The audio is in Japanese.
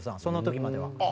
その時までは。